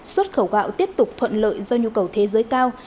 xuất khẩu gạo tiếp tục thuận lợi do nhu cầu thế giới cao